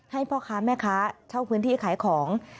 พ่อค้าแม่ค้าเช่าพื้นที่ขายของ